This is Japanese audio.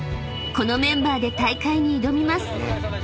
［このメンバーで大会に挑みます］